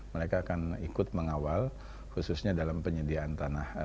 mereka akan ikut mengawal khususnya dalam penyediaan tanah